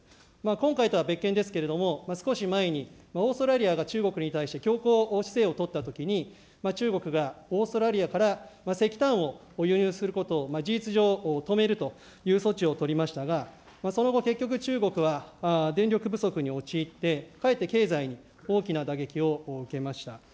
今回とは別件ですけれども、少し前にオーストラリアが中国に対して強硬姿勢を取ったときに、中国がオーストラリアから石炭を輸入することを事実上止めるという措置を取りましたが、その後、結局中国は電力不足に陥って、かえって経済に大きな打撃を受けました。